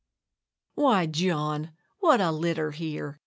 ] Why, John, what a litter here!